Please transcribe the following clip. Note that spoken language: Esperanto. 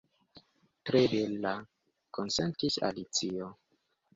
"Tre bela," konsentis Alicio.